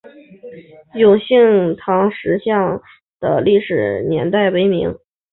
永兴堂石造像的历史年代为明。